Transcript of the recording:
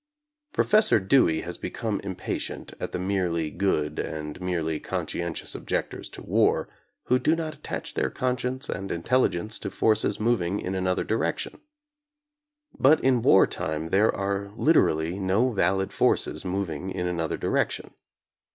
Professor Dewey has become impatient at the merely good and merely consci entious objectors to war who do not attach their conscience and intelligence to forces moving in an other direction. But in wartime there are liter ally no valid forces moving in another direction.